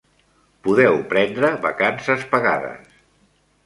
Podeu prendre vacances pagades.